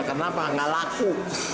kenapa nggak laku